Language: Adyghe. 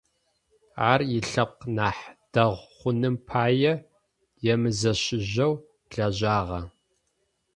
Ар, илъэпкъ нахь дэгъу хъуным пае, емызэщыжьэу лэжьагъэ.